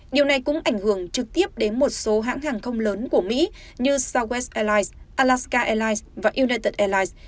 điều này cũng ảnh hưởng trực tiếp đến một số hãng hàng không lớn của mỹ như solares alaska airlines và united airlines